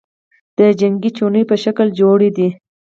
د جنگې چوڼیو په شکل جوړي دي،